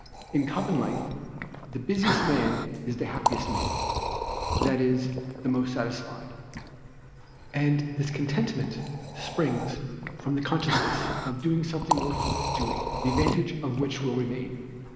In common life, the busiest man is the happiest man, that is the most satisfied; and this contentment springs from the consciousness of doing something worth doing, the advantage of which will remain.